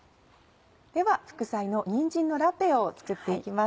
では副菜のにんじんのラペを作っていきます。